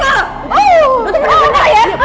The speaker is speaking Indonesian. oh lu tuh bener bener ya